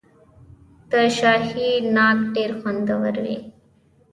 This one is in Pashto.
د شاهي ناک ډیر خوندور وي.